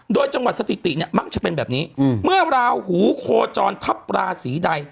โดยจังหวัดสถิติเนี่ยมักจะเป็นแบบนี้เมื่อราหูโคจรทัพราศีใด